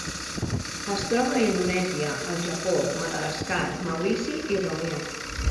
Es troba a Indonèsia, el Japó, Madagascar, Maurici i Reunió.